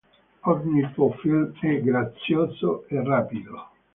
Ogni tuo film è grazioso e rapido.